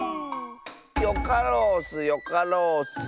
よかろうッスよかろうッス。